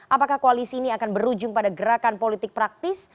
apakah koalisi ini akan berujung pada gerakan politik praktis